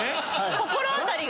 心当たりが。